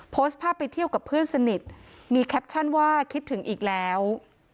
โพสต์ภาพไปเที่ยวกับเพื่อนสนิทมีแคปชั่นว่าคิดถึงอีกแล้ว